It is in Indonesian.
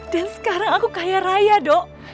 dan sekarang aku kaya raya dok